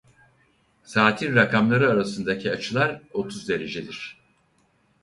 Saatin rakamları arasındaki açılar otuz derecedir.